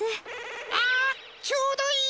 あちょうどいい！